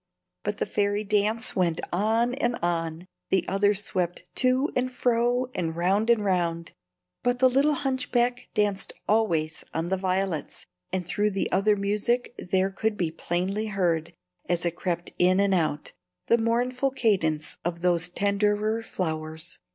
But the fairy dance went on and on. The others swept to and fro and round and round, but the little hunchback danced always on the violets, and through the other music there could be plainly heard, as it crept in and out, the mournful cadence of those tenderer flowers.